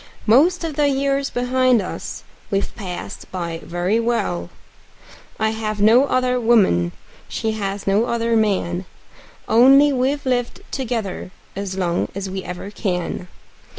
Most of the years behind us we've passed by very well; I have no other woman, she has no other man Only we've lived together as long as we ever can.